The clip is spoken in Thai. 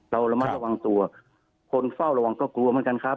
ระมัดระวังตัวคนเฝ้าระวังก็กลัวเหมือนกันครับ